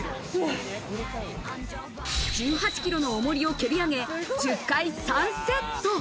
１８キロの重りを蹴り上げ、１０回３セット。